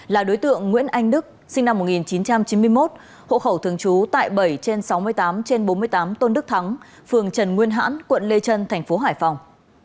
là đối tượng nguyễn anh đức sinh năm một nghìn chín trăm chín mươi một hộ khẩu thường trú tại bảy trên sáu mươi tám trên bốn mươi tám tôn đức thắng phường trần nguyên hãn quận lê trân thành phố hải phòng